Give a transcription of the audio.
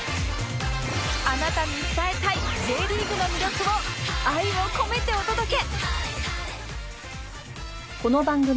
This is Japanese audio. あなたに伝えたい Ｊ リーグの魅力を愛を込めてお届け！